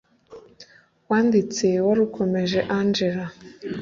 wanditse warukomeje engella!